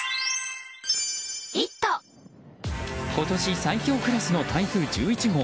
今年最強クラスの台風１１号。